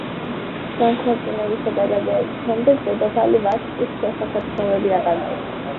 განქორწინებისა და გაძევების შემდეგ, დედოფალი ვაშტის შესახებ ცნობები აღარ მოიპოვება.